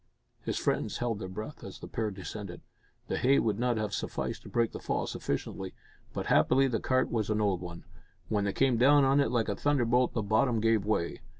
His friends held their breath as the pair descended. The hay would not have sufficed to break the fall sufficiently, but happily the cart was an old one. When they came down on it like a thunderbolt, the bottom gave way.